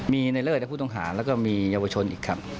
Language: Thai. มีในเลิศและผู้ต้องหาแล้วก็มีเยาวชนอีกครับ